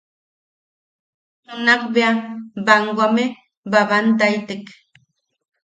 Junakbea banwame babaʼantaitek.